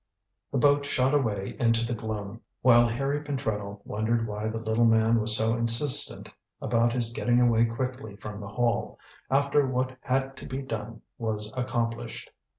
The boat shot away into the gloom, while Harry Pentreddle wondered why the little man was so insistent about his getting away quickly from the Hall, after what had to be done was accomplished.